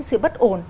sự bất ổn